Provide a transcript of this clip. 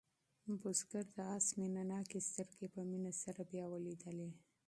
بزګر د آس مینه ناکې سترګې په مینه سره بیا ولیدلې.